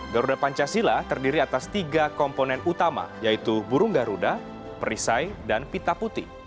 garuda pancasila terdiri atas tiga komponen utama yaitu burung garuda perisai dan pita putih